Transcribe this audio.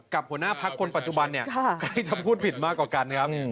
กับหัวหน้าพักคนปัจจุบันใกล้จะพูดผิดมากกว่ากัน